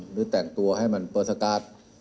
หรือแต่งตัวให้มันเปิดสการ์ด